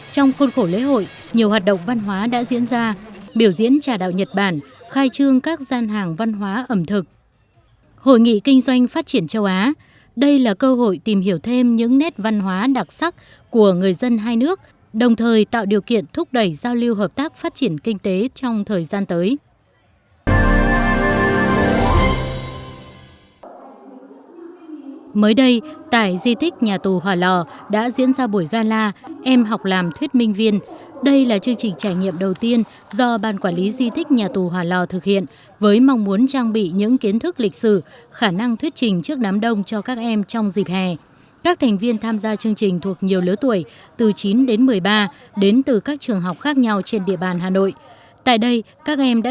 trong khuôn khổ lễ hội nhiều hoạt động văn hóa đã diễn ra biểu diễn trà đạo nhật bản khai trương các gian hàng văn hóa đã diễn ra biểu diễn trà đạo nhật bản khai trương các gian hàng văn hóa đã diễn ra biểu diễn trà đạo nhật bản khai trương các gian hàng văn hóa đã diễn ra biểu diễn trà đạo nhật bản khai trương các gian hàng văn hóa đã diễn ra biểu diễn trà đạo nhật bản khai trương các gian hàng văn hóa đã diễn ra biểu diễn trà đạo nhật bản khai trương các gian hàng văn hóa đã di